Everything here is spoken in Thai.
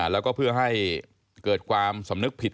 แล้วก็เพื่อให้เกิดความสำนึกผิด